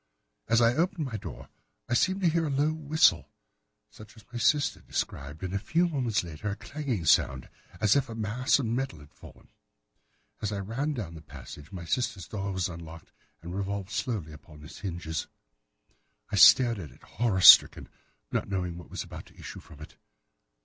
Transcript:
As I opened my door I seemed to hear a low whistle, such as my sister described, and a few moments later a clanging sound, as if a mass of metal had fallen. As I ran down the passage, my sister's door was unlocked, and revolved slowly upon its hinges. I stared at it horror stricken, not knowing what was about to issue from it.